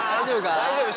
大丈夫。